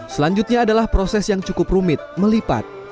selanjutnya adalah proses yang cukup rumit melipat